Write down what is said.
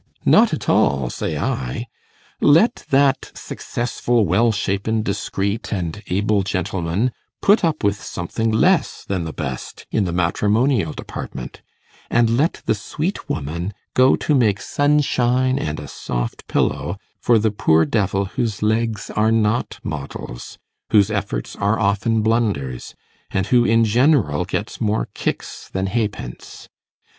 Not at all, say I: let that successful, well shapen, discreet and able gentleman put up with something less than the best in the matrimonial department; and let the sweet woman go to make sunshine and a soft pillow for the poor devil whose legs are not models, whose efforts are often blunders, and who in general gets more kicks than halfpence.